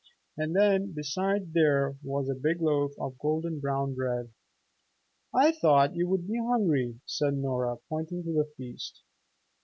And then besides there was a big loaf of golden brown bread. "I thought you would be hungry," said Nora, pointing to the feast.